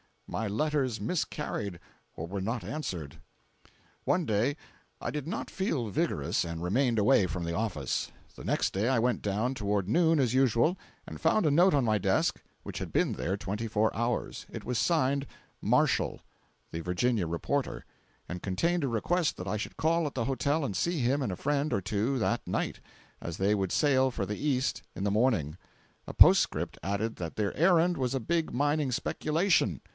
My letters miscarried or were not answered. One day I did not feel vigorous and remained away from the office. The next day I went down toward noon as usual, and found a note on my desk which had been there twenty four hours. It was signed "Marshall"—the Virginia reporter—and contained a request that I should call at the hotel and see him and a friend or two that night, as they would sail for the east in the morning. A postscript added that their errand was a big mining speculation!